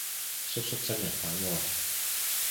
叔叔真人版喎